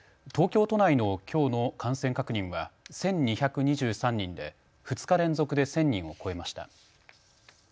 東京都内のきょうの感染確認は１２２３人で２日連続で１０００人を超えました。